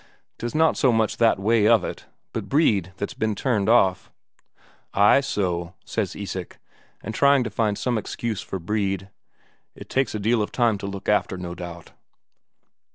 "'Tis not so much that way of it, but Brede that's been turned off." "Ay, so," says Isak, and trying to find some excuse for Brede. "It takes a deal of time to look after, no doubt."